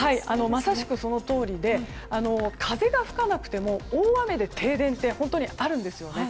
まさしく、そのとおりで風が吹かなくても大雨で停電って本当にあるんですよね。